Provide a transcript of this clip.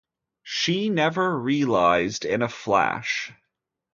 She never realised in a flash.